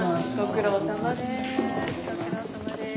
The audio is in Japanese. ご苦労さまです。